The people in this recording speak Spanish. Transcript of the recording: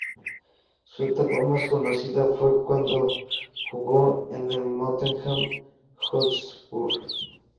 Su etapa más conocida fue cuando jugó en el Tottenham Hotspur.